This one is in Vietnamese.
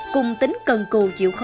cùng tính cần trọng điểm